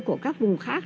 của các vùng khác